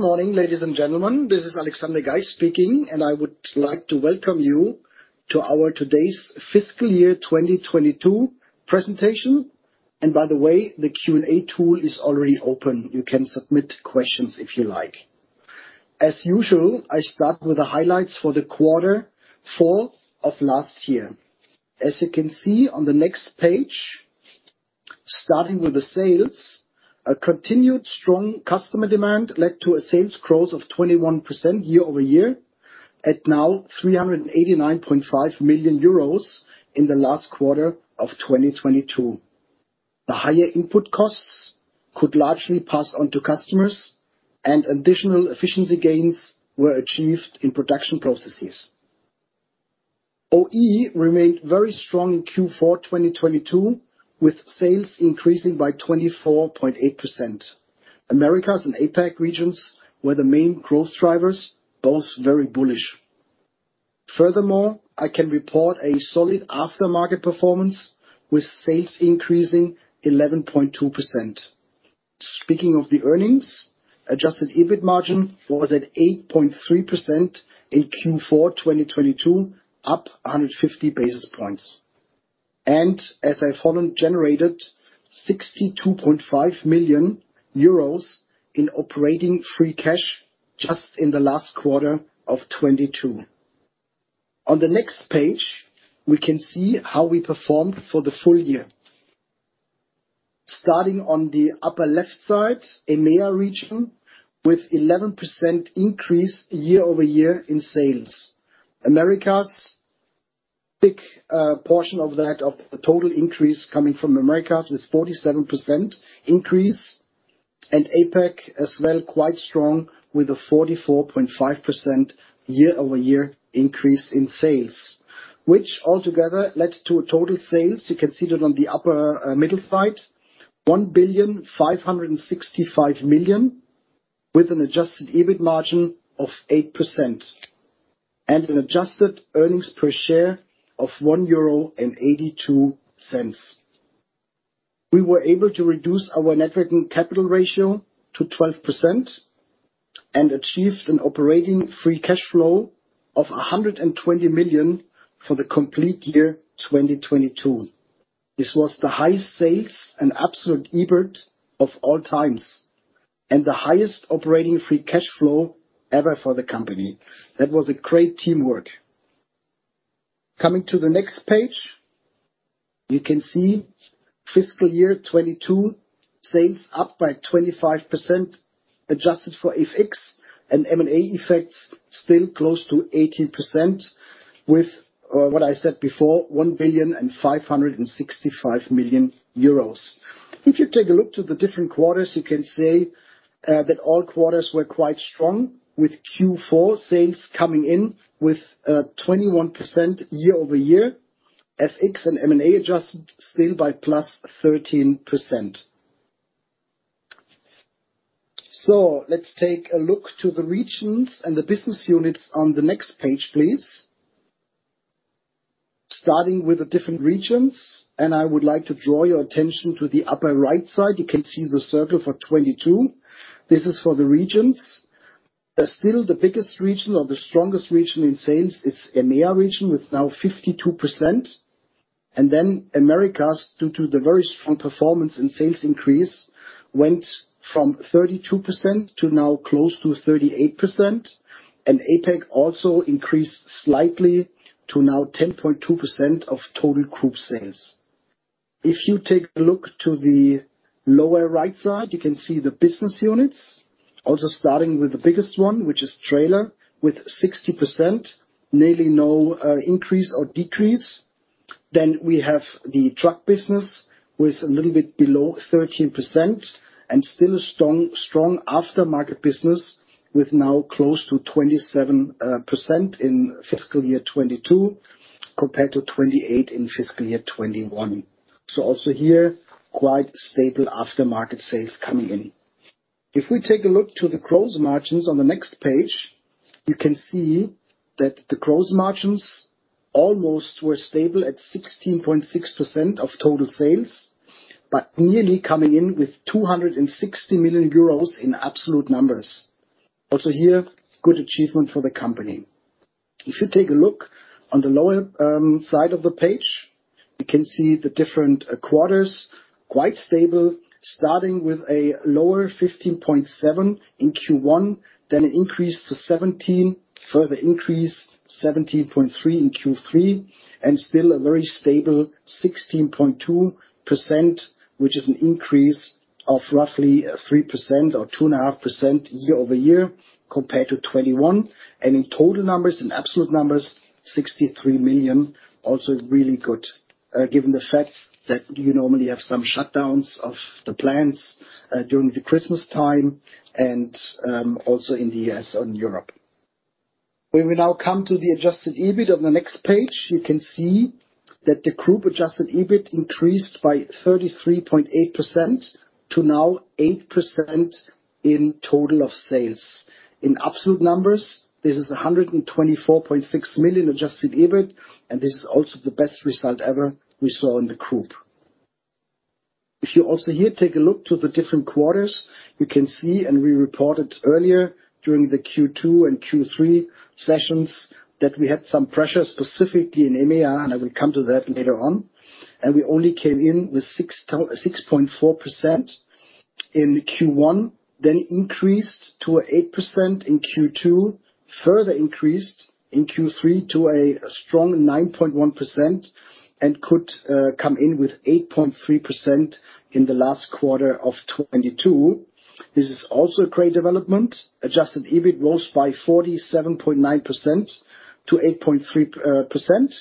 Good morning, ladies and gentlemen. This is Alexander Geis speaking. I would like to welcome you to our today's fiscal year 2022. By the way, the Q&A tool is already open. You can submit questions if you like. As usual, I start with the highlights for the Q4 of last year. As you can see on the next page, starting with the sales, a continued strong customer demand led to a sales growth of 21% year-over-year, at now 389.5 million euros in the last quarter of 2022. The higher input costs could largely pass on to customers. Additional efficiency gains were achieved in production processes. OE remained very strong in Q4, 2022, with sales increasing by 24.8%. Americas and APAC regions were the main growth drivers, both very bullish. Furthermore, I can report a solid aftermarket performance with sales increasing 11.2%. Speaking of the earnings, adjusted EBIT margin was at 8.3% in Q4 2022, up 150 basis points. As I followed, generated 62.5 million euros in operating free cash just in the last quarter of 2022. On the next page, we can see how we performed for the full year. Starting on the upper left side, EMEA region with 11% increase year-over-year in sales. Americas, big portion of that of the total increase coming from Americas with 47% increase and APAC as well, quite strong with a 44.5% year-over-year increase in sales, which altogether led to a total sales, you can see that on the upper middle side, 1.565 billion, with an adjusted EBIT margin of 8% and an adjusted earnings per share of 1.82 euro. We were able to reduce our net working capital ratio to 12% and achieved an operating free cash flow of 120 million for the complete year, 2022. This was the highest sales and absolute EBIT of all times, and the highest operating free cash flow ever for the company. That was a great teamwork. Coming to the next page, you can see fiscal year 2022 sales up by 25%, adjusted for FX and M&A effects, still close to 18% with, what I said before, 1.565 billion. If you take a look to the different quarters, you can say that all quarters were quite strong, with Q4 sales coming in with 21% year-over-year, FX and M&A adjusted still by +13%. Let's take a look to the regions and the business units on the next page, please. Starting with the different regions, I would like to draw your attention to the upper right side. You can see the circle for 2022. This is for the regions. Still the biggest region or the strongest region in sales is EMEA region with now 52%. Americas, due to the very strong performance and sales increase, went from 32% to now close to 38%. APAC also increased slightly to now 10.2% of total group sales. If you take a look to the lower right side, you can see the business units also starting with the biggest one, which is trailer with 60%, nearly no increase or decrease. We have the truck business with a little bit below 13% and still a strong aftermarket business with now close to 27% in fiscal year 2022, compared to 28% in fiscal year 2021. Also here, quite stable aftermarket sales coming in. If we take a look to the gross margins on the next page, you can see that the gross margins almost were stable at 16.6% of total sales, nearly coming in with 260 million euros in absolute numbers. Also here, good achievement for the company. If you take a look on the lower side of the page, you can see the different quarters, quite stable, starting with a lower 15.7% in Q1, it increased to 17%, further increased 17.3% in Q3, a very stable 16.2%, which is an increase of roughly 3% or 2.5% year-over-year compared to 2021. In total numbers and absolute numbers, 63 million also really good, given the fact that you normally have some shutdowns of the plants during the Christmas time and also in the U.S. and Europe. We will now come to the adjusted EBIT on the next page. You can see that the group adjusted EBIT increased by 33.8% to now 8% in total of sales. In absolute numbers, this is 124.6 million adjusted EBIT, and this is also the best result ever we saw in the group. You also here take a look to the different quarters, you can see, and we reported earlier during the Q2 and Q3 sessions, that we had some pressure specifically in EMEA, and I will come to that later on. We only came in with 6.4% in Q1, then increased to 8% in Q2, further increased in Q3 to a strong 9.1% and could come in with 8.3% in the last quarter of 2022. This is also a great development. Adjusted EBIT rose by 47.9% to 8.3%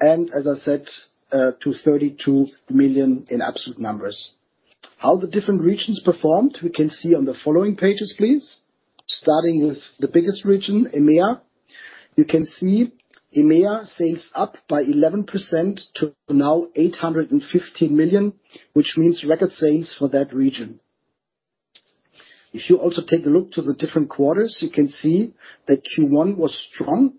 and, as I said, to 32 million in absolute numbers. How the different regions performed, we can see on the following pages, please. Starting with the biggest region, EMEA. You can see EMEA sales up by 11% to now 850 million, which means record sales for that region. You also take a look to the different quarters, you can see that Q1 was strong.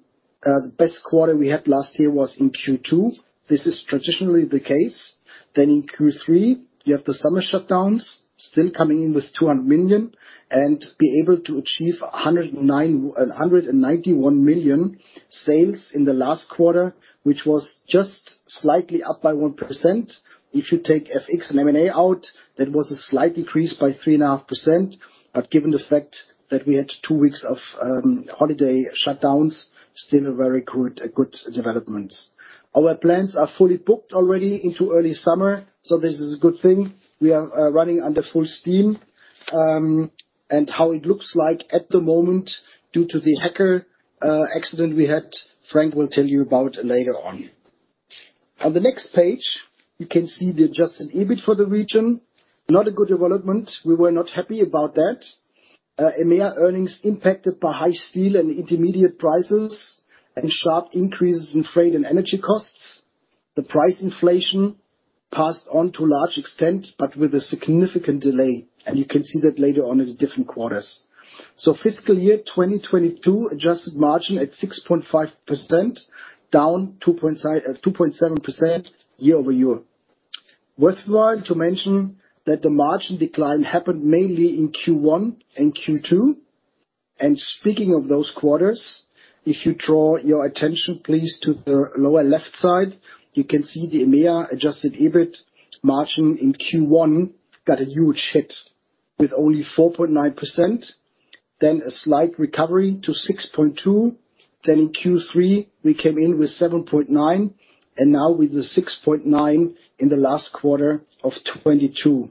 The best quarter we had last year was in Q2. This is traditionally the case. In Q3, you have the summer shutdowns still coming in with 200 million and be able to achieve 191 million sales in the last quarter, which was just slightly up by 1%. If you take FX and M&A out, that was a slight decrease by 3.5%. Given the fact that we had two weeks of holiday shutdowns, still a very good development. Our plants are fully booked already into early summer, so this is a good thing. We are running under full steam. How it looks like at the moment due to the hacker accident we had, Frank will tell you about later on. On the next page, you can see the adjusted EBIT for the region. Not a good development. We were not happy about that. EMEA earnings impacted by high steel and intermediate prices and sharp increases in freight and energy costs. The price inflation passed on to a large extent, but with a significant delay, and you can see that later on in the different quarters. Fiscal year 2022, adjusted margin at 6.5%, down 2.7% year-over-year. Worthwhile to mention that the margin decline happened mainly in Q1 and Q2. Speaking of those quarters, if you draw your attention, please, to the lower left side, you can see the EMEA adjusted EBIT margin in Q1 got a huge hit with only 4.9%, then a slight recovery to 6.2%. In Q3, we came in with 7.9%, and now with the 6.9% in the last quarter of 2022.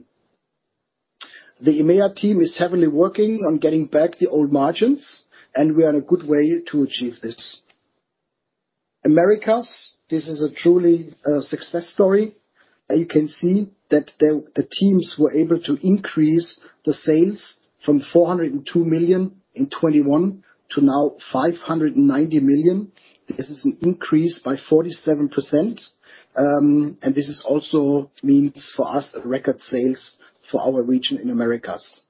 The EMEA team is heavily working on getting back the old margins, and we are in a good way to achieve this. Americas, this is a truly success story. You can see that the teams were able to increase the sales from 402 million in 2021 to now 590 million. This is an increase by 47%, and this also means for us record sales for our region in Americas.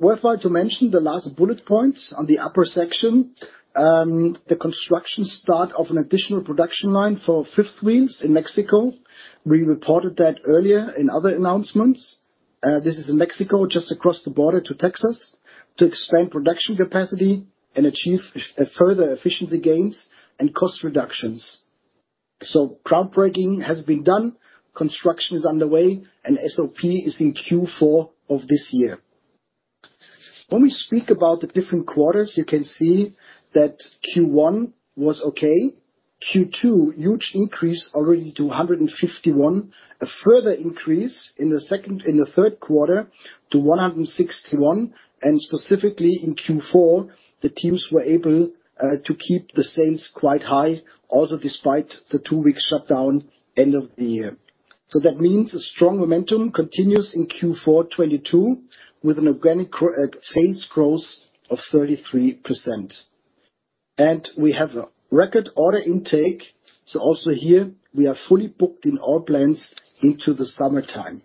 Worthwhile to mention the last bullet point on the upper section, the construction start of an additional production line for fifth wheels in Mexico. We reported that earlier in other announcements. This is in Mexico, just across the border to Texas, to expand production capacity and achieve further efficiency gains and cost reductions. Groundbreaking has been done. Construction is underway, and SOP is in Q4 of this year. When we speak about the different quarters, you can see that Q1 was okay. Q2, huge increase already to 151 million. A further increase in the third quarter to 161 million. Specifically in Q4, the teams were able to keep the sales quite high, also despite the two-week shutdown end of the year. That means the strong momentum continues in Q4 2022 with an organic sales growth of 33%. We have a record order intake, also here we are fully booked in all plants into the summertime.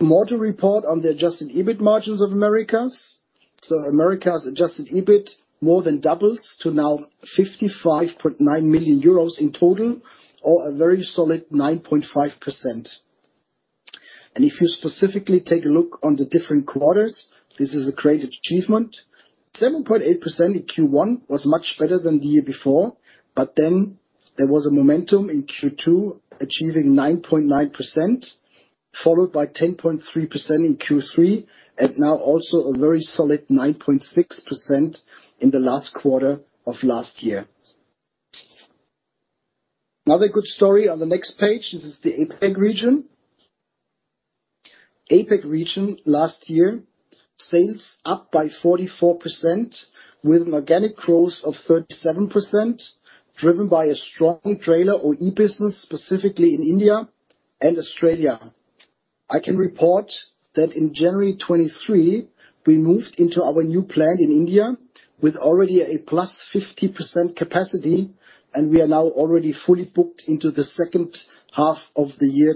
More to report on the adjusted EBIT margins of Americas. Americas adjusted EBIT more than doubles to now 55.9 million euros in total, or a very solid 9.5%. If you specifically take a look on the different quarters, this is a great achievement. 7.8% in Q1 was much better than the year before, but then there was a momentum in Q2 achieving 9.9%, followed by 10.3% in Q3, and now also a very solid 9.6% in the last quarter of last year. Another good story on the next page. This is the APAC region. APAC region last year, sales up by 44% with an organic growth of 37%, driven by a strong trailer or e-business, specifically in India and Australia. I can report that in January 2023, we moved into our new plant in India with already a +50% capacity. We are now already fully booked into the second half of the year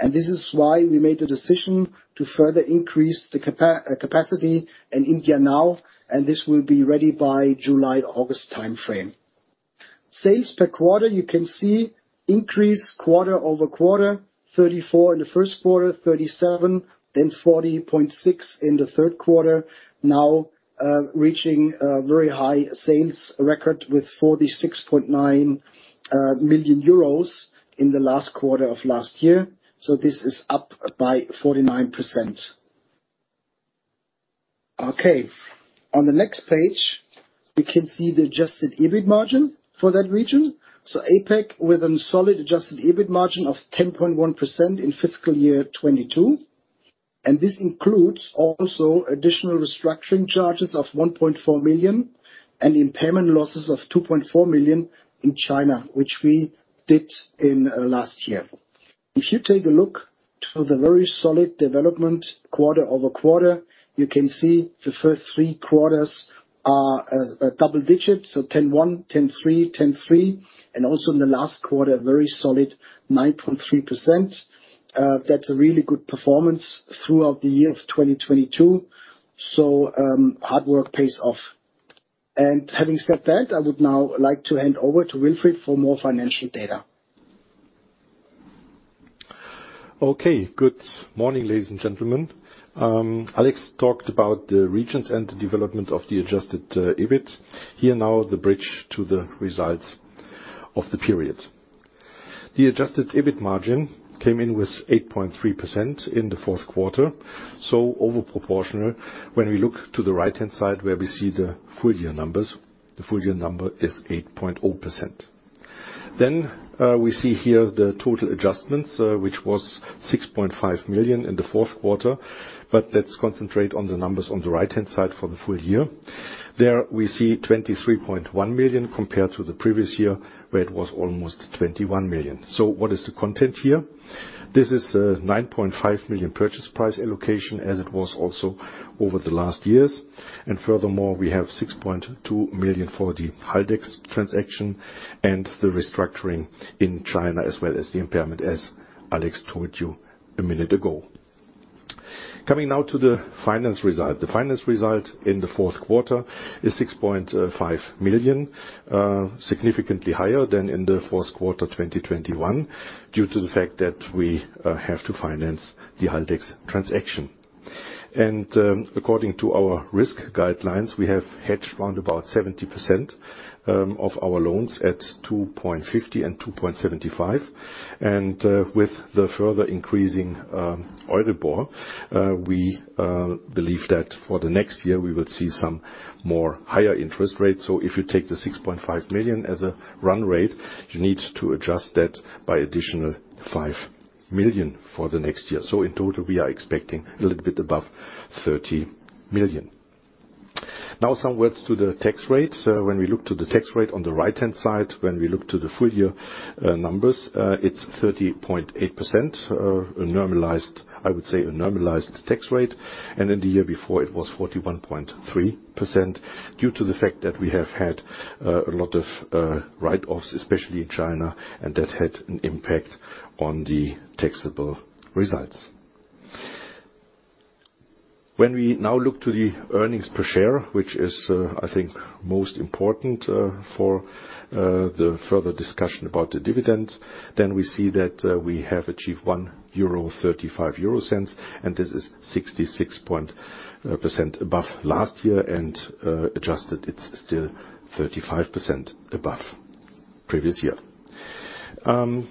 2023. This is why we made the decision to further increase the capacity in India now, and this will be ready by July/August timeframe. Sales per quarter, you can see increase quarter-over-quarter, 34% in the first quarter, 37%, then 40.6% in the third quarter. Now, reaching a very high sales record with 46.9 million euros in the last quarter of last year. This is up by 49%. Okay. On the next page, we can see the adjusted EBIT margin for that region. APAC with a solid adjusted EBIT margin of 10.1% in fiscal year 2022. This includes also additional restructuring charges of 1.4 million and impairment losses of 2.4 million in China, which we did in last year. If you take a look to the very solid development quarter-over-quarter, you can see the first three quarters are double digits, so 10.1%, 10.3%, 10.3%, and also in the last quarter, a very solid 9.3%. That's a really good performance throughout the year of 2022. Hard work pays off. Having said that, I would now like to hand over to Wilfried for more financial data. Good morning, ladies and gentlemen. Alex talked about the regions and the development of the adjusted EBIT. Here now the bridge to the results of the period. The adjusted EBIT margin came in with 8.3% in the fourth quarter, over proportional. When we look to the right-hand side where we see the full year numbers, the full year number is 8.0%. We see here the total adjustments, which was 6.5 million in the fourth quarter. Let's concentrate on the numbers on the right-hand side for the full year. There we see 23.1 million compared to the previous year, where it was almost 21 million. What is the content here? This is 9.5 million purchase price allocation, as it was also over the last years. Furthermore, we have 6.2 million for the Haldex transaction and the restructuring in China, as well as the impairment, as Alex Geis told you a minute ago. Coming now to the finance result. The finance result in the fourth quarter is 6.5 million significantly higher than in the fourth quarter 2021 due to the fact that we have to finance the Haldex transaction. According to our risk guidelines, we have hedged around about 70% of our loans at 2.50 and 2.75. With the further increasing Euribor, we believe that for the next year we will see some more higher interest rates. If you take the 6.5 million as a run rate, you need to adjust that by additional 5 million for the next year. In total, we are expecting a little bit above 30 million. Now some words to the tax rate. When we look to the tax rate on the right-hand side, when we look to the full year numbers, it's 30.8% normalized, I would say a normalized tax rate. In the year before, it was 41.3% due to the fact that we have had a lot of write-offs, especially in China, and that had an impact on the taxable results. When we now look to the earnings per share, which is, I think most important for the further discussion about the dividends, then we see that we have achieved 1.35 euro, and this is 66% above last year. Adjusted, it's still 35% above previous year. On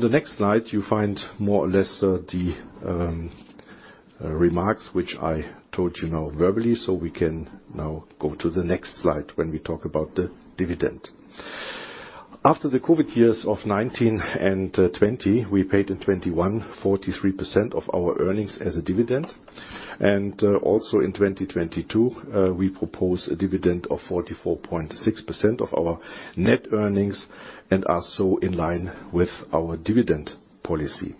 the next slide, you find more or less the remarks which I told you now verbally. We can now go to the next slide when we talk about the dividend. After the COVID years of 2019 and 2020, we paid in 2021 43% of our earnings as a dividend. Also in 2022, we propose a dividend of 44.6% of our net earnings and are in line with our dividend policy.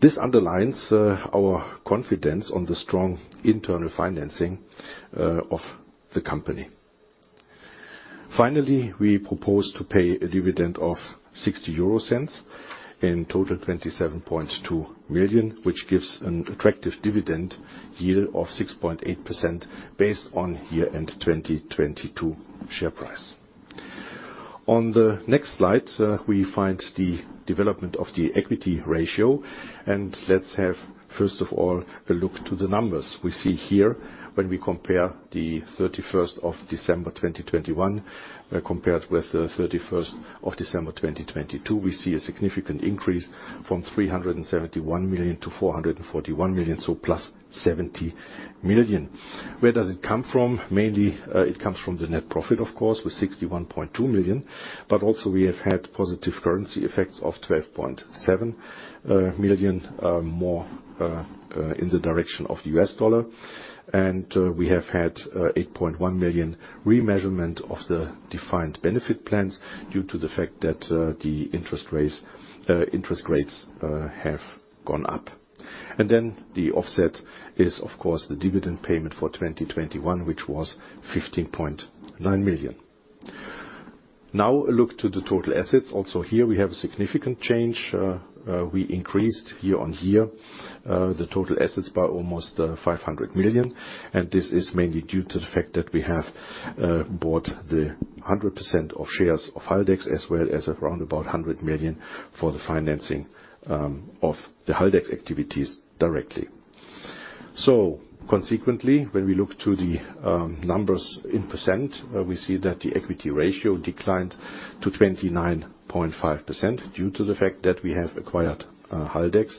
This underlines our confidence on the strong internal financing of the company. Finally, we propose to pay a dividend of 0.60, in total 27.2 million, which gives an attractive dividend yield of 6.8% based on year-end 2022 share price. On the next slide, we find the development of the equity ratio. Let's have, first of all, a look to the numbers. We see here when we compare the 31st of December 2021, compared with the 31st of December 2022, we see a significant increase from 371 million to 441 million, plus 70 million. Where does it come from? Mainly, it comes from the net profit, of course, with 61.2 million. Also, we have had positive currency effects of 12.7 million, more in the direction of the U.S. dollar. We have had 8.1 million remeasurement of the defined benefit plans due to the fact that the interest rates have gone up. The offset is, of course, the dividend payment for 2021, which was 15.9 million. Now a look to the total assets. Also here we have a significant change. We increased year-on-year the total assets by almost 500 million, and this is mainly due to the fact that we have bought the 100% of shares of Haldex, as well as around about 100 million for the financing of the Haldex activities directly. Consequently, when we look to the numbers in percent, we see that the equity ratio declined to 29.5% due to the fact that we have acquired Haldex.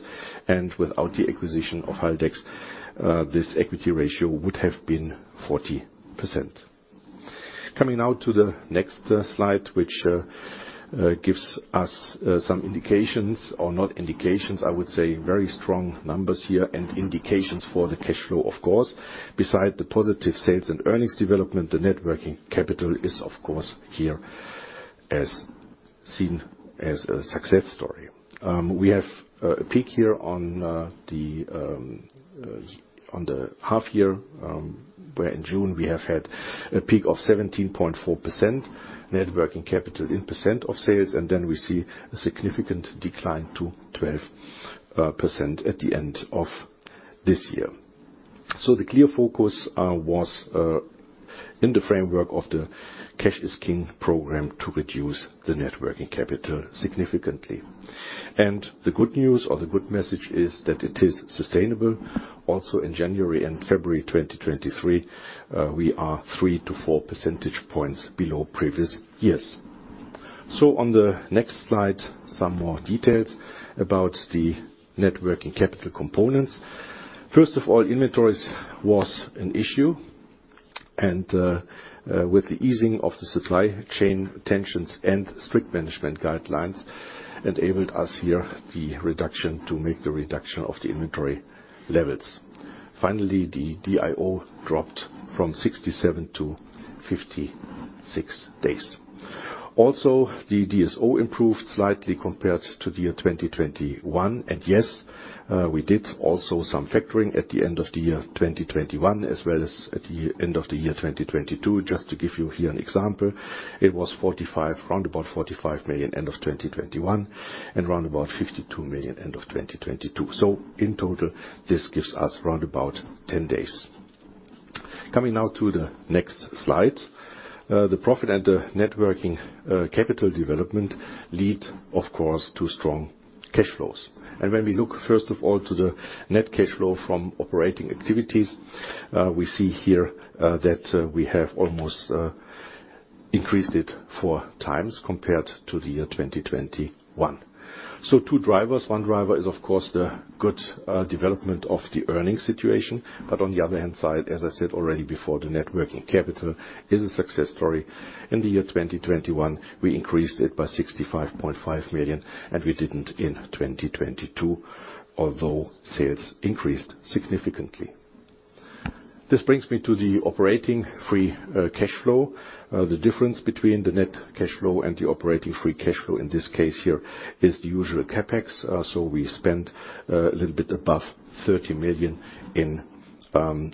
Without the acquisition of Haldex, this equity ratio would have been 40%. Coming now to the next slide, which gives us some indications, or not indications, I would say very strong numbers here and indications for the cash flow, of course. Beside the positive sales and earnings development, the net working capital is, of course, here as seen as a success story. We have a peak here on the half year, where in June we have had a peak of 17.4% net working capital in percent of sales, then we see a significant decline to 12% at the end of this year. The clear focus was in the framework of the Cash is King program to reduce the net working capital significantly. The good news or the good message is that it is sustainable. In January and February 2023, we are 3 to 4 percentage points below previous years. On the next slide, some more details about the net working capital components. First of all, inventories was an issue, and with the easing of the supply chain tensions and strict management guidelines enabled us here to make the reduction of the inventory levels. The DIO dropped from 67 to 56 days. The DSO improved slightly compared to the year 2021. Yes, we did also some factoring at the end of the year 2021, as well as at the end of the year 2022. Just to give you here an example, it was around about 45 million end of 2021 and around about 52 million end of 2022. In total, this gives us around about 10 days. Coming now to the next slide. The profit and the net working capital development lead, of course, to strong cash flows. When we look first of all to the net cash flow from operating activities, we see here that we have almost increased it four times compared to the year 2021. Two drivers. One driver is, of course, the good development of the earnings situation. On the other hand side, as I said already before, the net working capital is a success story. In the year 2021, we increased it by 65.5 million, and we didn't in 2022, although sales increased significantly. This brings me to the operating free cash flow. The difference between the net cash flow and the operating free cash flow in this case here is the usual CapEx. We spent a little bit above 30 million in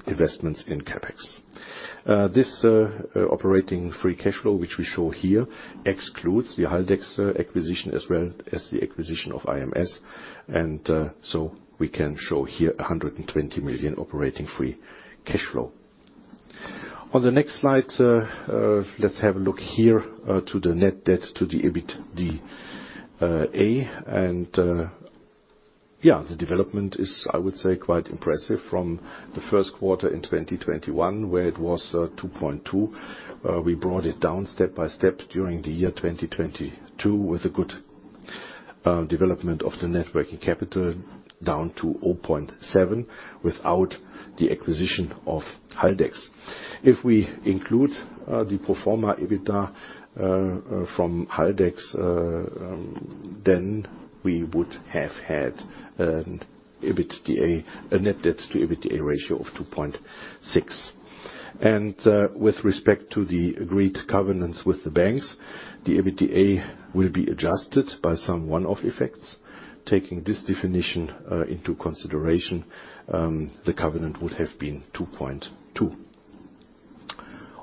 investments in CapEx. This operating free cash flow, which we show here, excludes the Haldex acquisition as well as the acquisition of IMS. We can show here 120 million operating free cash flow. On the next slide, let's have a look here to the net debt to EBITDA. The development is, I would say, quite impressive from the first quarter in 2021, where it was 2.2. We brought it down step by step during the year 2022 with a good development of the net working capital down to 0.7 without the acquisition of Haldex. If we include the pro forma EBITDA from Haldex, we would have had an EBITDA, a net debt to EBITDA ratio of 2.6. With respect to the agreed covenants with the banks, the EBITDA will be adjusted by some one-off effects. Taking this definition into consideration, the covenant would have been 2.2.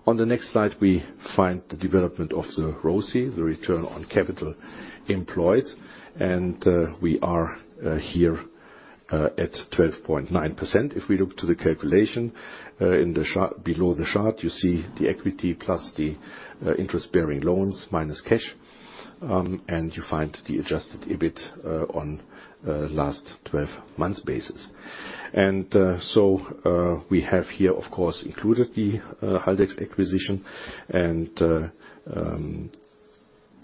On the next slide, we find the development of the ROCE, the return on capital employed, and we are here at 12.9%. If we look to the calculation below the chart, you see the equity plus the interest-bearing loans minus cash, and you find the adjusted EBIT on last 12 months basis. We have here, of course, included the Haldex acquisition.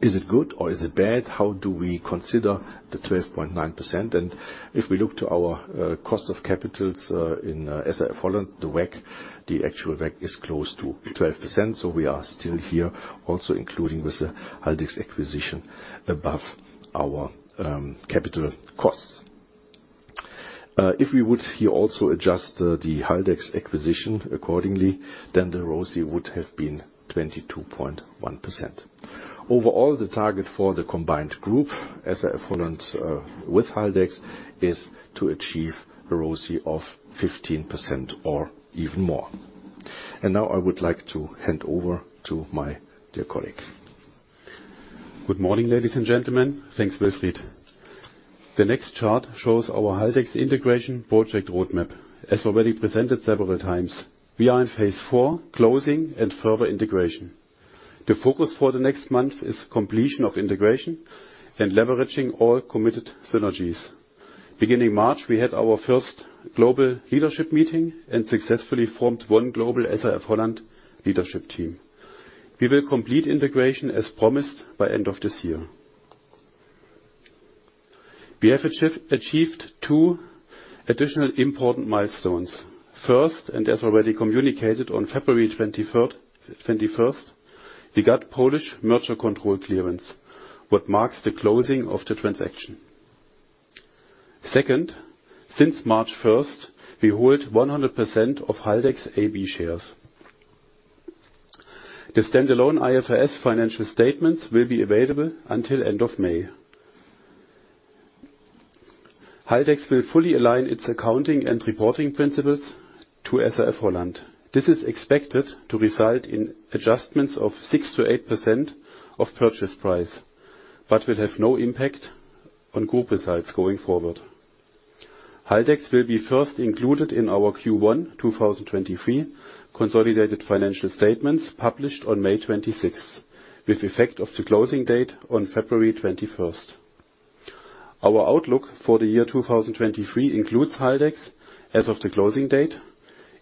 Is it good or is it bad? How do we consider the 12.9%? If we look to our cost of capitals, in as a whole, the WACC, the actual WACC is close to 12%. We are still here also including with the Haldex acquisition above our capital costs. If we would here also adjust the Haldex acquisition accordingly, then the ROCE would have been 22.1%. Overall, the target for the combined group as a whole and with Haldex is to achieve a ROCE of 15% or even more. Now I would like to hand over to my dear colleague. Good morning, ladies and gentlemen. Thanks, Wilfried. The next chart shows our Haldex integration project roadmap. As already presented several times, we are in phase IV, closing and further integration. The focus for the next months is completion of integration and leveraging all committed synergies. Beginning March, we had our first global leadership meeting and successfully formed one global SAF-HOLLAND leadership team. We will complete integration as promised by end of this year. We have achieved two additional important milestones. First, as already communicated on February 23, 2021, we got Polish merger control clearance, what marks the closing of the transaction. Second, since March 1, we hold 100% of Haldex AB shares. The standalone IFRS financial statements will be available until end of May. Haldex will fully align its accounting and reporting principles to SAF-HOLLAND. This is expected to result in adjustments of 6%-8% of purchase price, will have no impact on group results going forward. Haldex will be first included in our Q1 2023 consolidated financial statements published on May 26th, with effect of the closing date on February 21st. Our outlook for the year 2023 includes Haldex as of the closing date.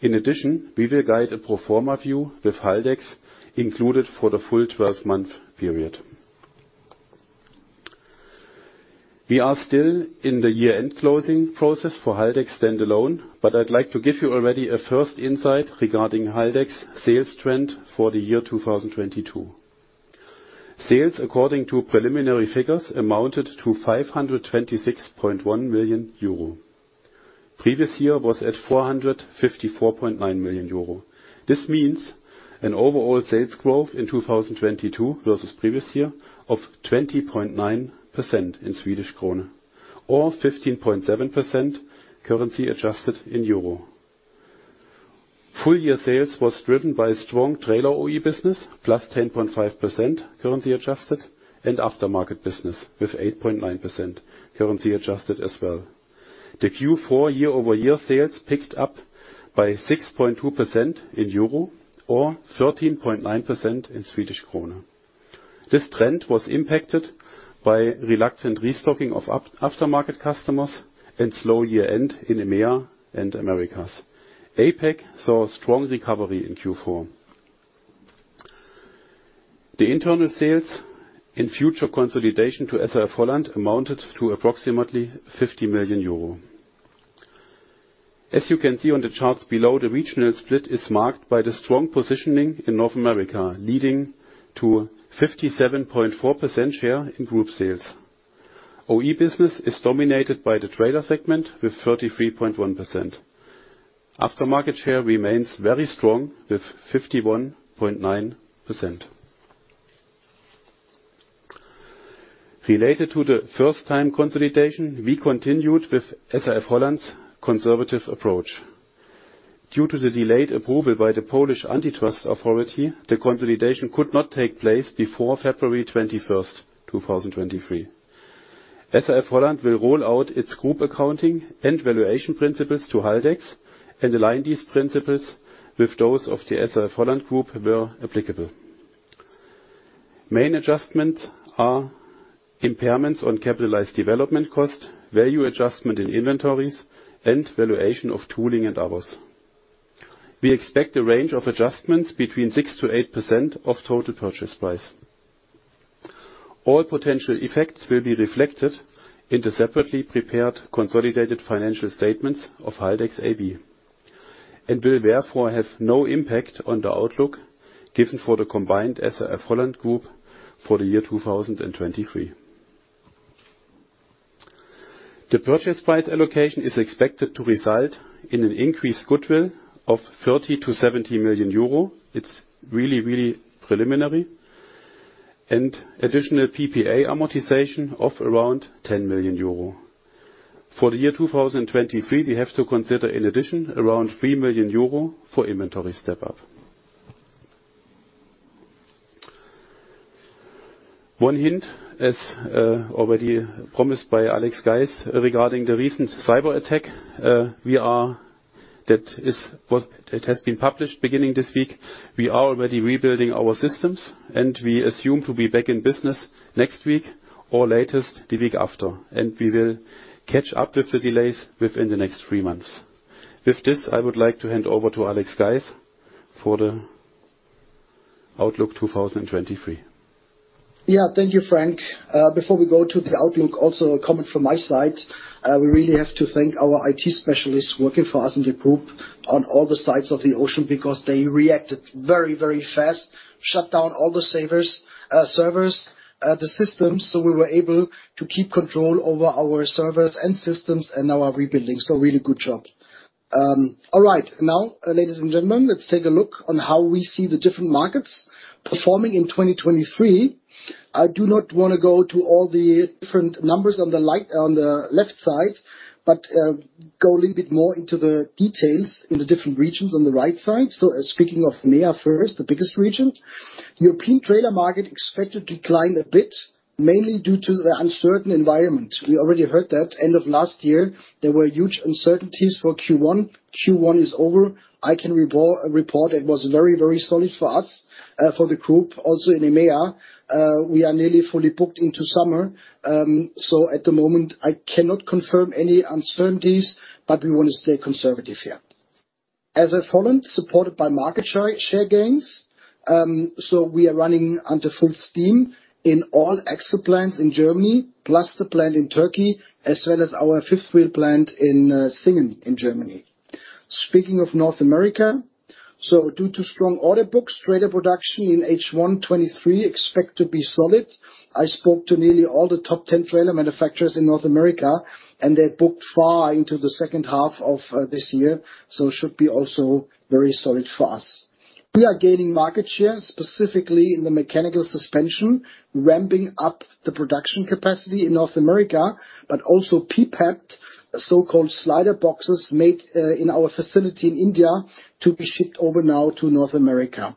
In addition, we will guide a pro forma view with Haldex included for the full 12-month period. We are still in the year-end closing process for Haldex standalone, I'd like to give you already a first insight regarding Haldex sales trend for the year 2022. Sales, according to preliminary figures, amounted to 526.1 million euro. Previous year was at 454.9 million euro. This means an overall sales growth in 2022 versus previous year of 20.9% in SEK or 15.7% currency adjusted in EUR. Full year sales was driven by strong trailer OE business, +10.5% currency adjusted, and aftermarket business with 8.9% currency adjusted as well. The Q4 year-over-year sales picked up by 6.2% in EUR or 13.9% in SEK. This trend was impacted by reluctant restocking of aftermarket customers and slow year-end in EMEA and Americas. APAC saw a strong recovery in Q4. The internal sales in future consolidation to SAF-HOLLAND amounted to approximately 50 million euro. As you can see on the charts below, the regional split is marked by the strong positioning in North America, leading to a 57.4% share in group sales. OE business is dominated by the trailer segment with 33.1%. Aftermarket share remains very strong with 51.9%. Related to the first time consolidation, we continued with SAF-HOLLAND's conservative approach. Due to the delayed approval by the Polish Antitrust Authority, the consolidation could not take place before February 21st, 2023. SAF-HOLLAND will roll out its group accounting and valuation principles to Haldex and align these principles with those of the SAF-HOLLAND group where applicable. Main adjustments are impairments on capitalized development cost, value adjustment in inventories, and valuation of tooling and others. We expect a range of adjustments between 6%-8% of total purchase price. All potential effects will be reflected in the separately prepared consolidated financial statements of Haldex AB, will therefore have no impact on the outlook given for the combined SAF-HOLLAND group for the year 2023. The purchase price allocation is expected to result in an increased goodwill of 30 million-70 million euro. It's really, really preliminary. Additional PPA amortization of around 10 million euro. For the year 2023, we have to consider in addition around 3 million euro for inventory step-up. One hint, as already promised by Alex Geis regarding the recent cyberattack, it has been published beginning this week. We are already rebuilding our systems, we assume to be back in business next week or latest the week after. We will catch up with the delays within the next three months. With this, I would like to hand over to Alex Geis for the Outlook 2023. Yeah. Thank you, Frank. Before we go to the outlook, also a comment from my side. We really have to thank our IT specialists working for us in the group on all the sides of the ocean because they reacted very, very fast, shut down all the savers, servers, the systems, so we were able to keep control over our servers and systems and now are rebuilding. Really good job. All right. Now, ladies and gentlemen, let's take a look on how we see the different markets performing in 2023. I do not wanna go to all the different numbers on the light, on the left side, but go a little bit more into the details in the different regions on the right side. Speaking of MEA first, the biggest region. European trailer market expected to decline a bit, mainly due to the uncertain environment. We already heard that end of last year, there were huge uncertainties for Q1. Q1 is over. I can report it was very, very solid for us for the group. Also in MEA, we are nearly fully booked into summer. At the moment, I cannot confirm any uncertainties, but we wanna stay conservative here. SAF-HOLLAND, supported by market share gains, we are running under full steam in all axle plants in Germany, plus the plant in Turkey, as well as our fifth wheel plant in Singen in Germany. Speaking of North America, due to strong order books, trailer production in H1 2023 expect to be solid. I spoke to nearly all the top 10 trailer manufacturers in North America, and they're booked far into the second half of this year, so should be also very solid for us. We are gaining market share, specifically in the mechanical suspension, ramping up the production capacity in North America, but also PPAP, so-called slider boxes made in our facility in India to be shipped over now to North America.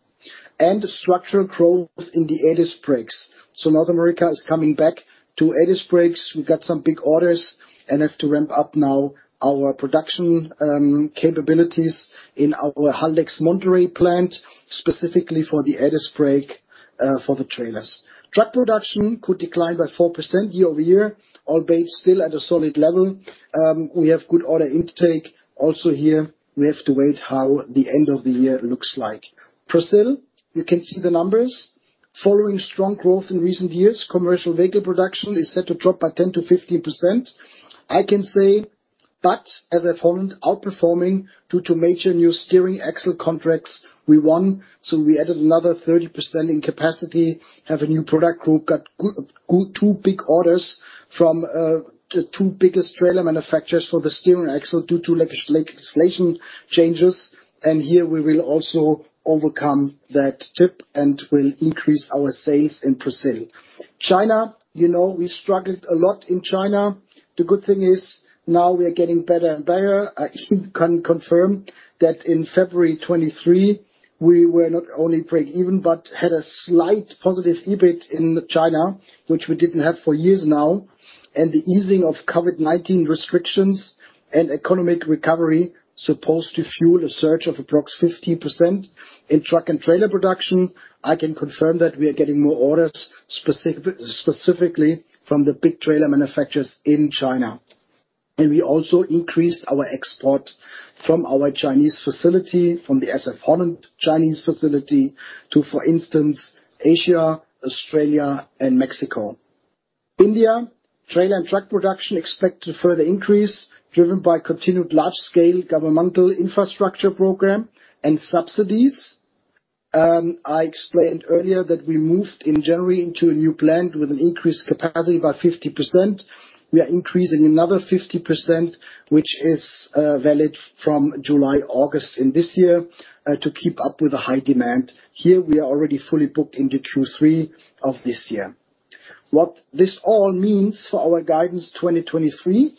Structural growth in the air disc brakes. North America is coming back to air disc brakes. We got some big orders and have to ramp up now our production capabilities in our Haldex Monterrey plant, specifically for the air disc brake for the trailers. Truck production could decline by 4% year-over-year, albeit still at a solid level. We have good order intake. Also here, we have to wait how the end of the year looks like. Brazil, you can see the numbers. Following strong growth in recent years, commercial vehicle production is set to drop by 10%-15%. I can say that as SAF-HOLLAND outperforming due to major new Steering Axle contracts we won, so we added another 30% in capacity, have a new product. We've got two big orders from the two biggest trailer manufacturers for the Steering Axle due to legislation changes. Here we will also overcome that dip and will increase our sales in Brazil. China, you know, we struggled a lot in China. The good thing is now we are getting better and better. Can confirm that in February 2023, we were not only break even, but had a slight positive EBIT in China, which we didn't have for years now. The easing of COVID-19 restrictions and economic recovery supposed to fuel a surge of approximate 15%. In truck and trailer production, I can confirm that we are getting more orders, specifically from the big trailer manufacturers in China. We also increased our export from our Chinese facility, from the SAF-HOLLAND Chinese facility, to, for instance, Asia, Australia, and Mexico. India, trailer and truck production expect to further increase, driven by continued large-scale governmental infrastructure program and subsidies. I explained earlier that we moved in January into a new plant with an increased capacity by 50%. We are increasing another 50%, which is valid from July, August in this year, to keep up with the high demand. Here we are already fully booked into Q3 of this year. What this all means for our guidance 2023,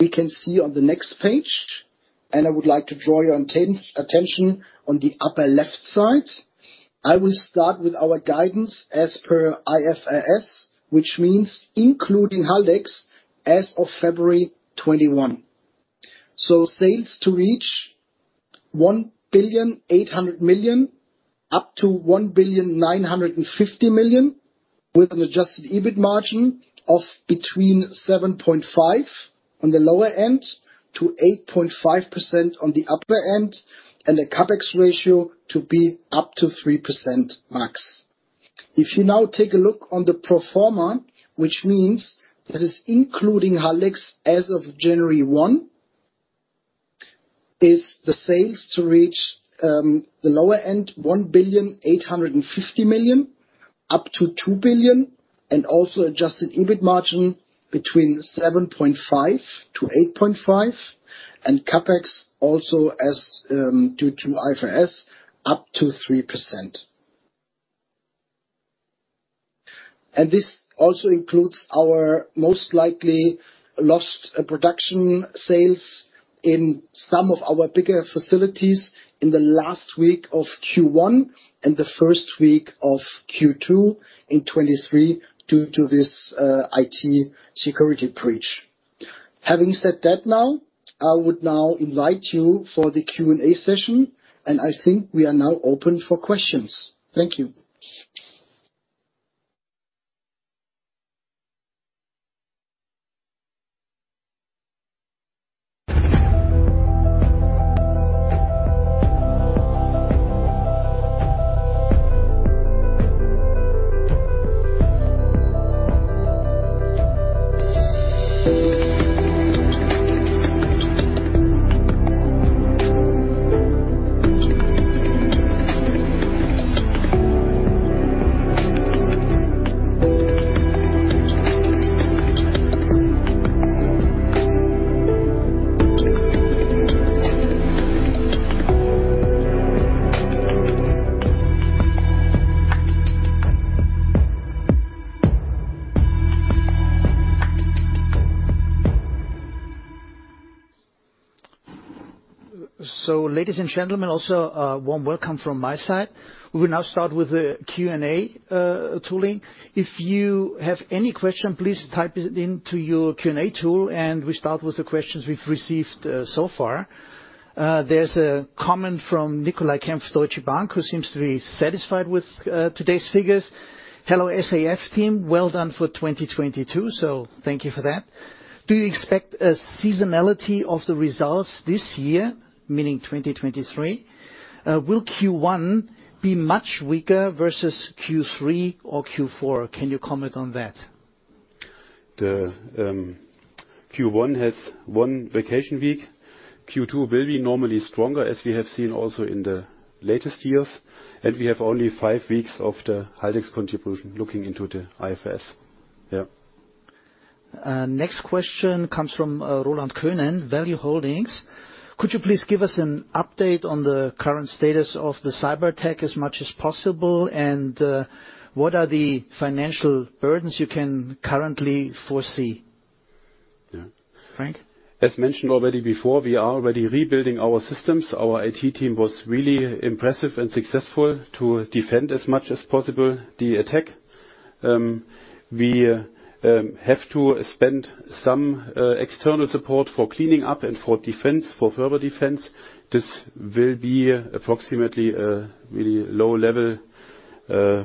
we can see on the next page, and I would like to draw your attention on the upper left side. I will start with our guidance as per IFRS, which means including Haldex as of February 2021. Sales to reach 1.8 billion up to 1.95 billion with an adjusted EBIT margin of between 7.5% on the lower end to 8.5% on the upper end, and a CapEx ratio to be up to 3% max. If you now take a look on the pro forma, which means this is including Haldex as of January 1, is the sales to reach the lower end, 1.85 billion up to 2 billion, and also adjusted EBIT margin between 7.5%-8.5%, and CapEx also as due to IFRS up to 3%. This also includes our most likely lost production sales in some of our bigger facilities in the last week of Q1 and the first week of Q2 in 2023 due to this IT security breach. Having said that now, I would now invite you for the Q&A session, and I think we are now open for questions. Thank you. Ladies and gentlemen, also, warm welcome from my side. We will now start with the Q&A tooling. If you have any question, please type it into your Q&A tool, and we start with the questions we've received so far. There's a comment from Nicolai Kempf, Deutsche Bank, who seems to be satisfied with today's figures. Hello, SAF team. Well done for 2022, thank you for that. Do you expect a seasonality of the results this year, meaning 2023? Will Q1 be much weaker versus Q3 or Q4? Can you comment on that? The Q1 has one vacation week. Q2 will be normally stronger, as we have seen also in the latest years. We have only five weeks of the Haldex contribution looking into the IFRS. Next question comes from Roland Könen, Value-Holdings AG. Could you please give us an update on the current status of the cyberattack as much as possible? What are the financial burdens you can currently foresee? Yeah. Frank? As mentioned already before, we are already rebuilding our systems. Our IT team was really impressive and successful to defend as much as possible the attack. We have to spend some external support for cleaning up and for defense, for further defense. This will be approximately a really low level, so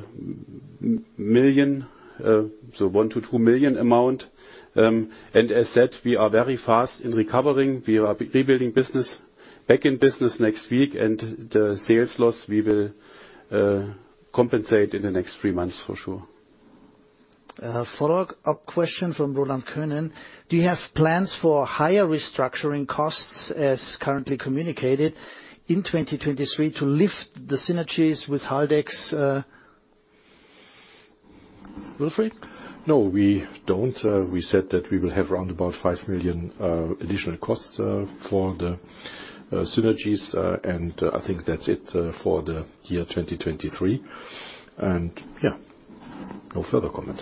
1 million-2 million. As said, we are very fast in recovering. We are rebuilding business, back in business next week, and the sales loss, we will compensate in the next three months for sure. Follow-up question from Roland Könen. Do you have plans for higher restructuring costs as currently communicated in 2023 to lift the synergies with Haldex? Wilfried? No, we don't. We said that we will have around about 5 million additional costs for the synergies, and I think that's it for the year 2023. Yeah, no further comment.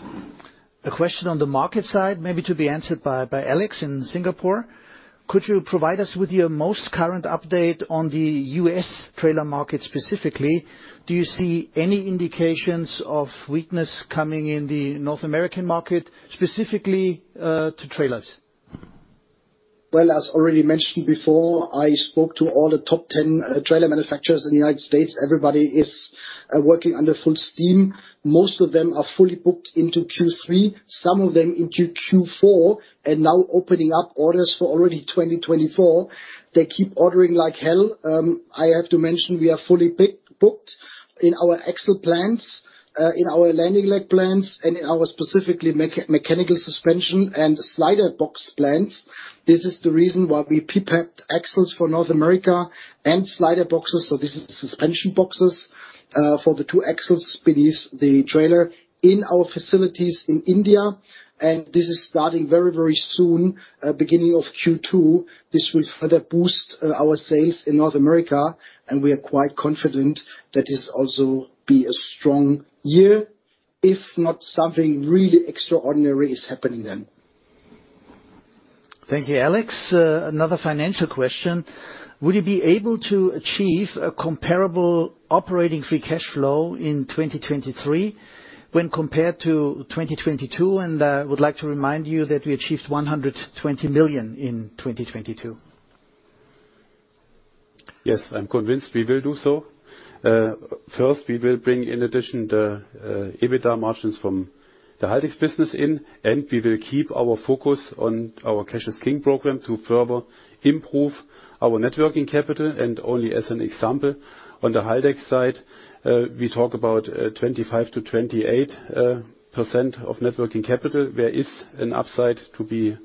A question on the market side, maybe to be answered by Alex in Singapore. Could you provide us with your most current update on the U.S. trailer market specifically? Do you see any indications of weakness coming in the North American market, specifically to trailers? Well, as already mentioned before, I spoke to all the top 10 trailer manufacturers in the United States. Everybody is working under full steam. Most of them are fully booked into Q3, some of them into Q4, and now opening up orders for already 2024. They keep ordering like hell. I have to mention we are fully booked in our axle plants, in our landing leg plants, and in our specifically mechanical suspension and slider box plants. This is the reason why we prepped axles for North America and slider boxes, so this is suspension boxes, for the two axles beneath the trailer in our facilities in India. This is starting very, very soon, beginning of Q2. This will further boost our sales in North America, and we are quite confident that this also be a strong year, if not something really extraordinary is happening then. Thank you, Alex. Another financial question? Will you be able to achieve a comparable operating free cash flow in 2023 when compared to 2022? I would like to remind you that we achieved 120 million in 2022. Yes, I'm convinced we will do so. First, we will bring in addition the EBITDA margins from the Haldex business in. We will keep our focus on our Cash is King program to further improve our net working capital. Only as an example, on the Haldex side, we talk about 25%-28% of net working capital. There is an upside to be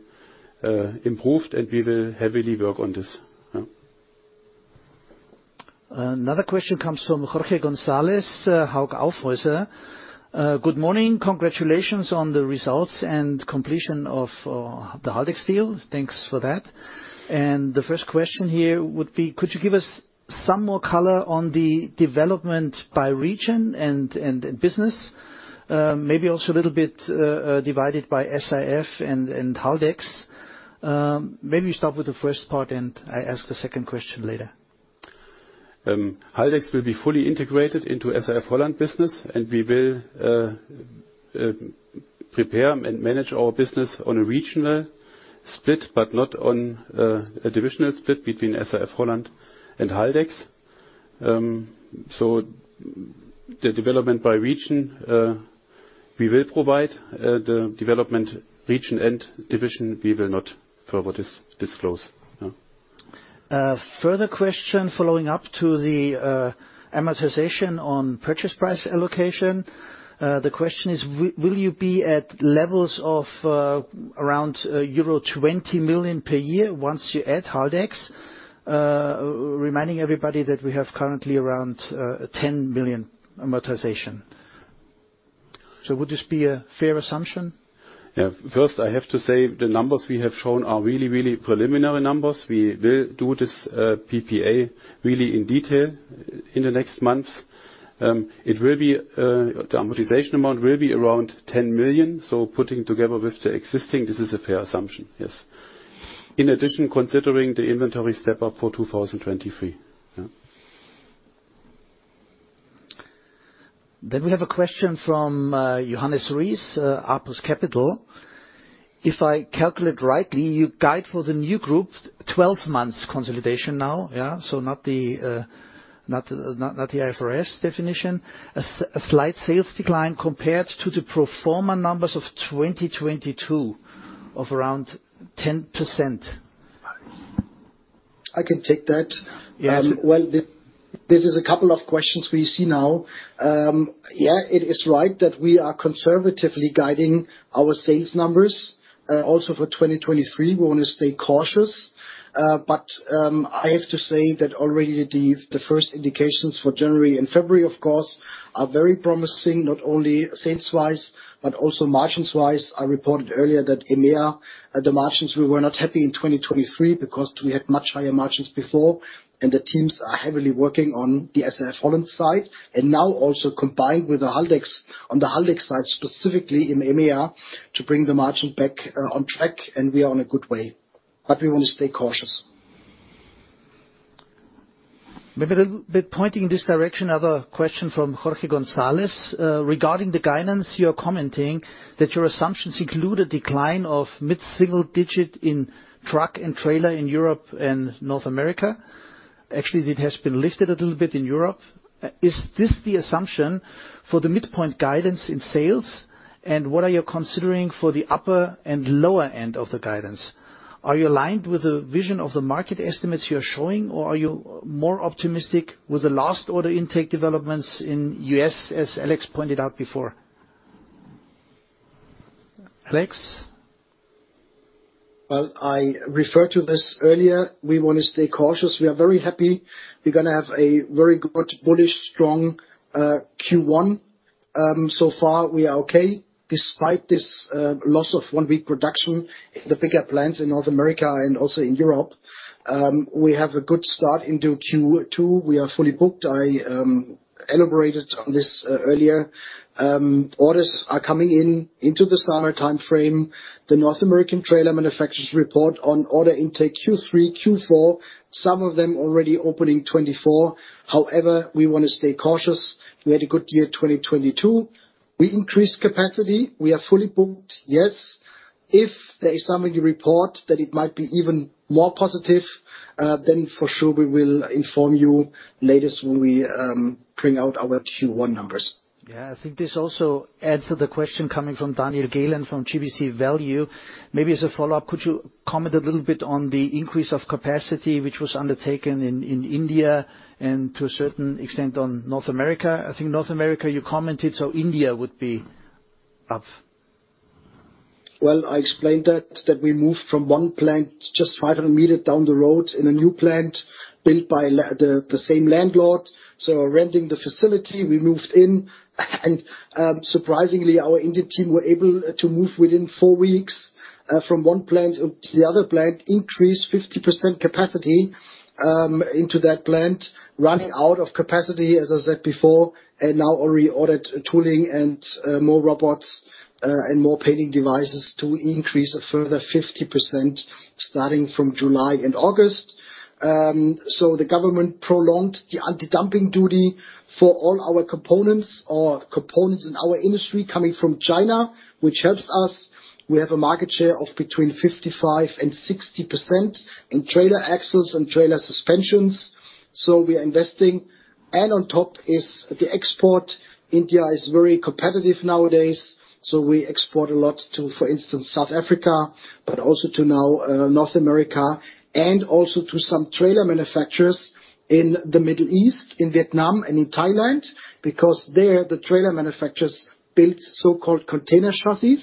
improved, and we will heavily work on this. Another question comes from Jorge Gonzalez, Hauck Aufhäuser. Good morning. Congratulations on the results and completion of the Haldex deal. Thanks for that. The first question here would be, could you give us some more color on the development by region and business? Maybe also a little bit divided by SAF and Haldex. Maybe start with the first part, and I ask the second question later. Haldex will be fully integrated into SAF-HOLLAND business, and we will prepare and manage our business on a regional split, but not on a divisional split between SAF-HOLLAND and Haldex. The development by region, we will provide. The development region and division, we will not further disclose. Further question following up to the amortization on purchase price allocation. The question is, will you be at levels of around euro 20 million per year once you add Haldex? Reminding everybody that we have currently around 10 million amortization. Would this be a fair assumption? First, I have to say the numbers we have shown are really, really preliminary numbers. We will do this PPA really in detail in the next months. It will be the amortization amount will be around 10 million. Putting together with the existing, this is a fair assumption, yes. Considering the inventory step-up for 2023. Yeah. We have a question from Johannes Ries, Apus Capital. If I calculate rightly, you guide for the new group 12 months consolidation now, yeah? Not the IFRS definition. A slight sales decline compared to the pro forma numbers of 2022 of around 10%. I can take that. Yes. Well, this is a couple of questions we see now. Yeah, it is right that we are conservatively guiding our sales numbers, also for 2023, we wanna stay cautious. I have to say that already the first indications for January and February, of course, are very promising, not only sales wise, but also margins wise. I reported earlier that EMEA, the margins, we were not happy in 2023 because we had much higher margins before, the teams are heavily working on the SAF-HOLLAND side. Now also combined with the Haldex, on the Haldex side, specifically in EMEA, to bring the margin back on track, we are on a good way. We want to stay cautious. Maybe with pointing in this direction, another question from Jorge Gonzalez. Regarding the guidance, you're commenting that your assumptions include a decline of mid-single digit in truck and trailer in Europe and North America. Actually, it has been lifted a little bit in Europe. Is this the assumption for the midpoint guidance in sales? What are you considering for the upper and lower end of the guidance? Are you aligned with the vision of the market estimates you are showing, or are you more optimistic with the last order intake developments in US, as Alex pointed out before? Alex? I referred to this earlier. We wanna stay cautious. We are very happy. We're gonna have a very good, bullish, strong, Q1. So far we are okay, despite this loss of one week production in the bigger plants in North America and also in Europe. We have a good start into Q2. We are fully booked. I elaborated on this earlier. Orders are coming in into the summer timeframe. The North American Trailer Manufacturers report on order intake Q3, Q4, some of them already opening 2024. We wanna stay cautious. We had a good year, 2022. We increased capacity. We are fully booked, yes. If there is something to report that it might be even more positive, then for sure we will inform you latest when we bring out our Q1 numbers. Yeah, I think this also answer the question coming from Daniel Gilani from GBC AG. Maybe as a follow-up, could you comment a little bit on the increase of capacity which was undertaken in India and to a certain extent on North America? I think North America, you commented, so India would be of... Well, I explained that we moved from one plant just 500 meters down the road in a new plant built by the same landlord. Renting the facility, we moved in. Surprisingly, our Indian team were able to move within four weeks from one plant to the other plant, increase 50% capacity into that plant, running out of capacity, as I said before, and now already ordered tooling and more robots and more painting devices to increase a further 50% starting from July and August. The government prolonged the anti-dumping duty for all our components or components in our industry coming from China, which helps us. We have a market share of between 55% and 60% in trailer axles and trailer suspensions, we are investing. On top is the export. India is very competitive nowadays, we export a lot to, for instance, South Africa, but also to now North America, and also to some trailer manufacturers in the Middle East, in Vietnam and in Thailand, because there, the trailer manufacturers built so-called container chassis,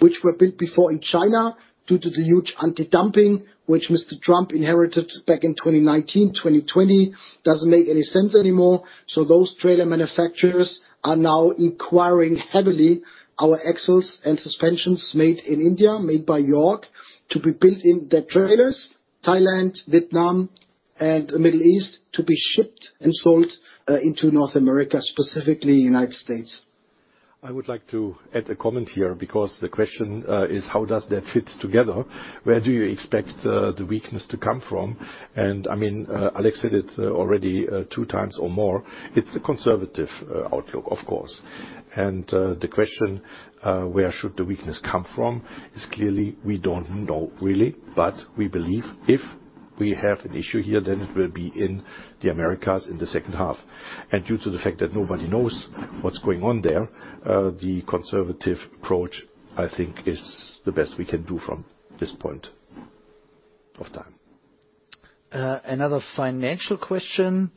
which were built before in China due to the huge anti-dumping, which Mr. Trump inherited back in 2019, 2020. Doesn't make any sense anymore. Those trailer manufacturers are now inquiring heavily our axles and suspensions made in India, made by York, to be built in their trailers, Thailand, Vietnam, and Middle East, to be shipped and sold into North America, specifically United States. I would like to add a comment here because the question, is how does that fit together? Where do you expect, the weakness to come from? I mean, Alex said it already, two times or more. It's a conservative, outlook, of course. The question, where should the weakness come from is clearly we don't know really, but we believe if we have an issue here, then it will be in the Americas in the second half. Due to the fact that nobody knows what's going on there, the conservative approach, I think is the best we can do from this point of time. Another financial question.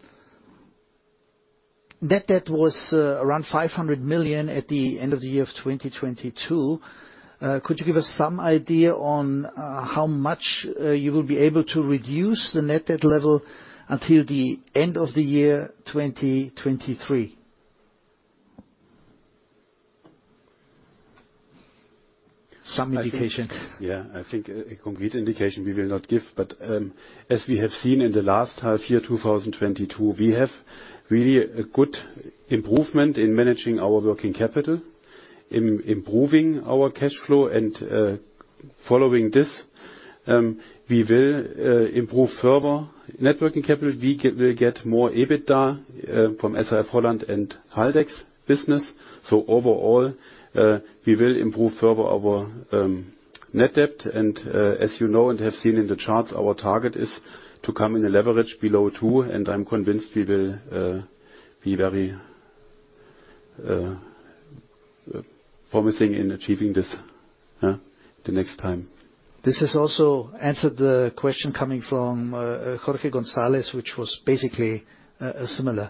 Net debt was around 500 million at the end of the year 2022. Could you give us some idea on how much you will be able to reduce the net debt level until the end of the year 2023? Some indication. Yeah. I think a complete indication we will not give, but, as we have seen in the last half year, 2022, we have really a good improvement in managing our working capital, in improving our cash flow and, Following this, we will improve further net working capital. We will get more EBITDA from SAF-HOLLAND and Haldex business. Overall, we will improve further our net debt. As you know and have seen in the charts, our target is to come in a leverage below 2, and I'm convinced we will be very promising in achieving this, huh, the next time. This has also answered the question coming from, Jorge Gonzalez, which was basically, similar.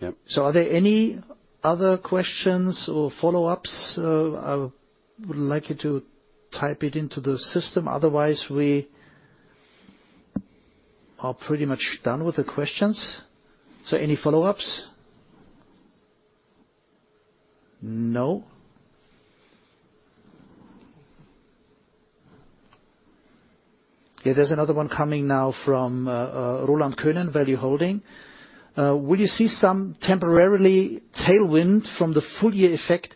Yeah. Are there any other questions or follow-ups? I would like you to type it into the system, otherwise we are pretty much done with the questions. Any follow-ups? No. Okay, there's another one coming now from Roland Könen, Value Holding. Will you see some temporarily tailwind from the full year effect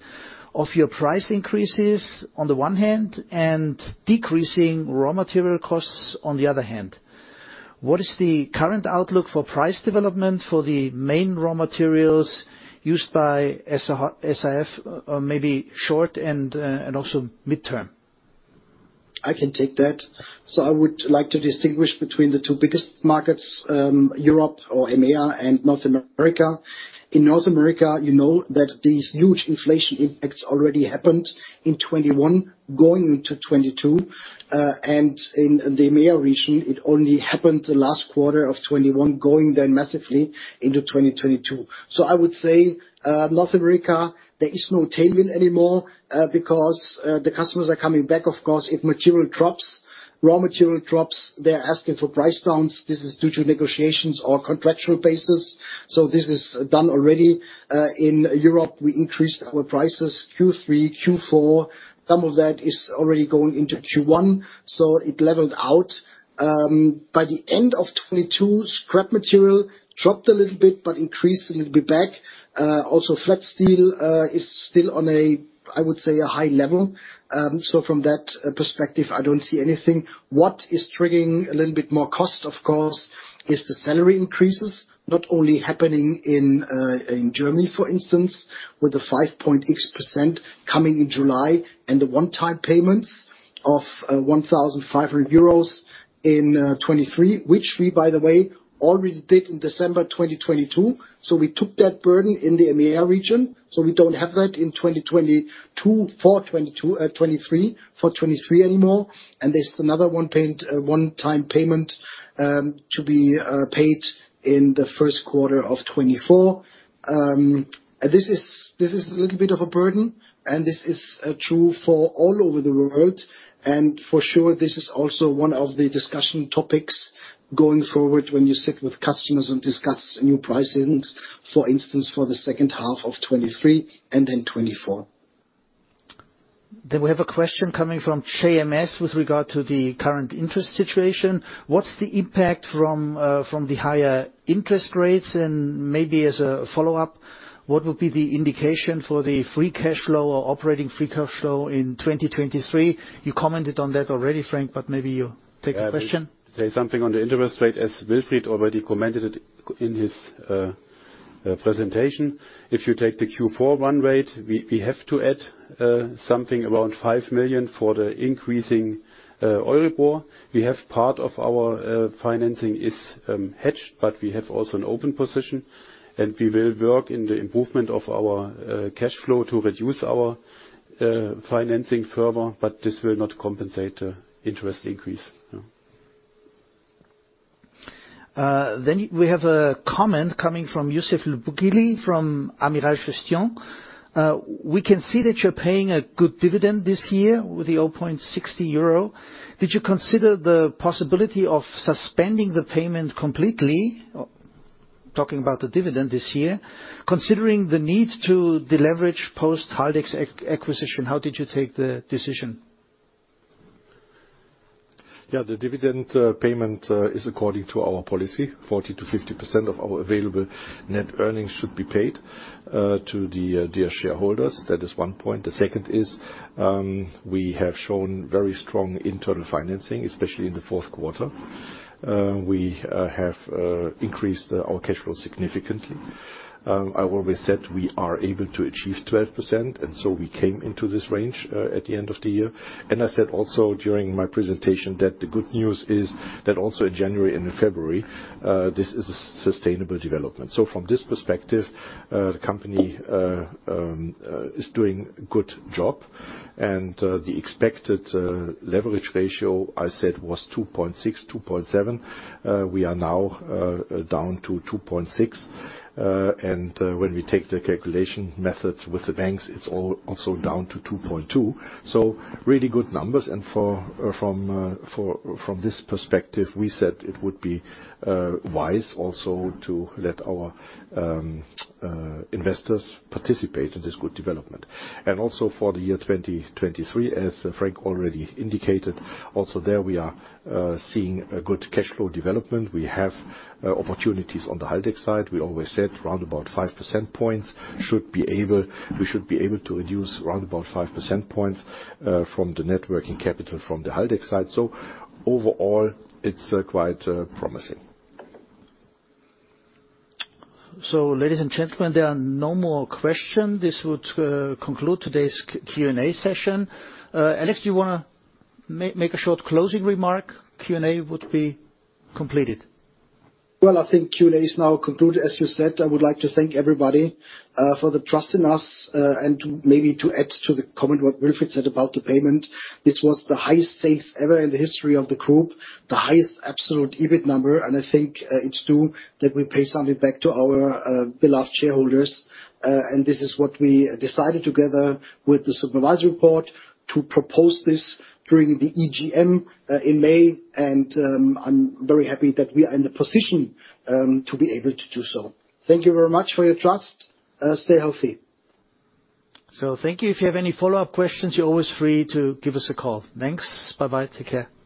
of your price increases on the one hand, and decreasing raw material costs on the other hand? What is the current outlook for price development for the main raw materials used by SAF, or maybe short and also midterm? I can take that. I would like to distinguish between the two biggest markets, Europe or EMEA and North America. In North America, you know that these huge inflation impacts already happened in 2021 going into 2022. In the EMEA region, it only happened the last quarter of 2021, going then massively into 2022. I would say North America, there is no tailwind anymore, because the customers are coming back, of course. If material drops, raw material drops, they're asking for price downs. This is due to negotiations or contractual basis. This is done already. In Europe, we increased our prices Q3, Q4. Some of that is already going into Q1, so it leveled out. By the end of 2022, scrap material dropped a little bit, but increased a little bit back. Also, flat steel is still on a, I would say, a high level. From that perspective, I don't see anything. What is triggering a little bit more cost, of course, is the salary increases, not only happening in Germany, for instance, with the 5.6% coming in July and the one-time payments of 1,500 euros in 2023, which we, by the way, already did in December 2022. We took that burden in the EMEA region, so we don't have that in 2023 for 2023 anymore. There's another one paint, one-time payment to be paid in the first quarter of 2024. This is a little bit of a burden, and this is true for all over the world. For sure, this is also one of the discussion topics going forward when you sit with customers and discuss new price increases, for instance, for the second half of 2023 and then 2024. We have a question coming from JMS with regard to the current interest situation. What's the impact from the higher interest rates? Maybe as a follow-up, what would be the indication for the free cash flow or operating free cash flow in 2023? You commented on that already, Frank, but maybe you take the question. Yeah. To say something on the interest rate, as Wilfried already commented it in his presentation. If you take the Q4 one rate, we have to add something around 5 million for the increasing Euribor. We have part of our financing is hedged, but we have also an open position, and we will work in the improvement of our cash flow to reduce our financing further, but this will not compensate the interest increase. Yeah. We have a comment coming from Youssef Loukili from Amiral Gestion. We can see that you're paying a good dividend this year with the 0.60 euro. Did you consider the possibility of suspending the payment completely? Talking about the dividend this year. Considering the need to deleverage post-Haldex acquisition, how did you take the decision? Yeah. The dividend payment is according to our policy, 40%-50% of our available net earnings should be paid to the dear shareholders. That is 1 point. The second is, we have shown very strong internal financing, especially in the fourth quarter. We have increased our cash flow significantly. I've always said we are able to achieve 12%, we came into this range at the end of the year. I said also during my presentation that the good news is that also in January and in February, this is a sustainable development. From this perspective, the company is doing good job. The expected leverage ratio, I said, was 2.6-2.7. We are now down to 2.6. When we take the calculation methods with the banks, it's also down to 2.2. Really good numbers. For from this perspective, we said it would be wise also to let our investors participate in this good development. Also for the year 2023, as Frank already indicated, also there we are seeing a good cash flow development. We have opportunities on the Haldex side. We always said we should be able to reduce round about 5 percentage points from the net working capital from the Haldex side. Overall, it's quite promising. Ladies and gentlemen, there are no more question. This would conclude today's Q&A session. Alex, do you wanna make a short closing remark? Q&A would be completed. Well, I think Q&A is now concluded, as you said. I would like to thank everybody for the trust in us. To, maybe to add to the comment what Wilfried said about the payment, this was the highest sales ever in the history of the group, the highest absolute EBIT number. I think, it's due that we pay something back to our beloved shareholders. This is what we decided together with the supervisory board to propose this during the EGM in May. I'm very happy that we are in the position to be able to do so. Thank you very much for your trust. Stay healthy. Thank you. If you have any follow-up questions, you're always free to give us a call. Thanks. Bye-bye. Take care.